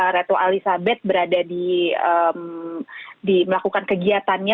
ratu elizabeth berada di melakukan kegiatannya